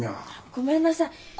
ごめんなさい。